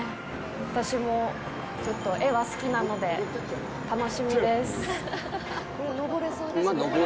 私も絵は好きなので、楽しみです。